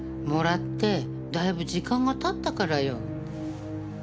もらってだいぶ時間が経ったからよ。